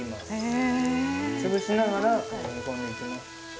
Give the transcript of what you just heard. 潰しながら煮込んでいきます。